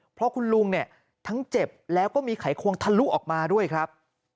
เพราะคุณลุงเนี่ยทั้งเจ็บแล้วก็มีไขควงทะลุออกมาด้วยครับ